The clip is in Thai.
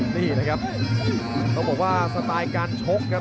นี่นะครับต้องบอกว่าสไตล์การชกครับ